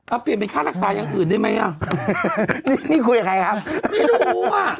เอาเปลี่ยนเป็นค่ารักษาอย่างอื่นได้ไหมอ่ะนี่นี่คุยกับใครครับไม่รู้อ่ะ